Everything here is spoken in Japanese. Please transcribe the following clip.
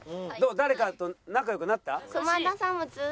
誰かと仲良くなった？